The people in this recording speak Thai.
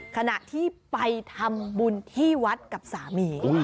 ขณะที่ไปทำบุญที่วัดกับสามี